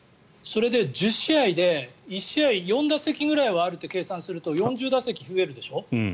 それで１０試合で１試合４打席くらいはあると計算すると４０打席増えるでしょ。